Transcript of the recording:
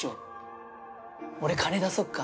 金出そっか？